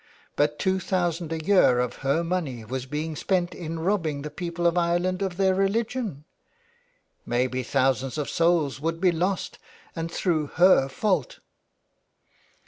But two thousand a year of her money was being spent in robbing the people of Ireland of their religion ! Maybe thousands of souls would be lost — and through her fault.